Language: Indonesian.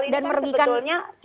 dan merugikan negara mbak tata